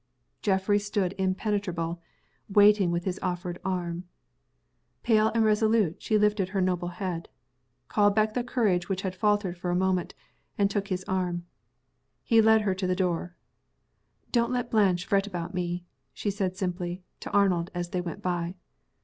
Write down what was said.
Geoffrey stood impenetrable waiting with his offered arm. Pale and resolute, she lifted her noble head called back the courage which had faltered for a moment and took his arm. He led her to the door. "Don't let Blanche fret about me," she said, simply, to Arnold as they went by.